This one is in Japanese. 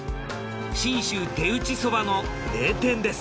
信州手打ちそばの名店です。